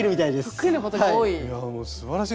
得意なことが多い。